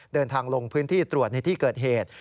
เดินทางลงพื้นที่ตรวจในที่เกิดเหตุ